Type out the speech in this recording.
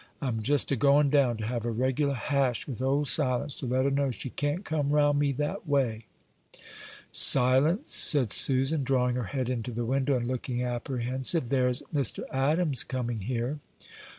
I'm just a goin' down to have a 'regular hash' with old Silence, to let her know she can't come round me that way." "Silence," said Susan, drawing her head into the window, and looking apprehensive, "there is Mr. Adams coming here."